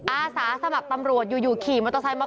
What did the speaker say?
อาสาสมัครตำรวจอยู่ขี่มอเตอร์ไซค์มา